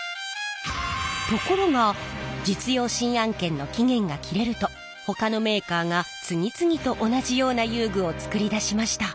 ところが実用新案権の期限が切れるとほかのメーカーが次々と同じような遊具を作り出しました。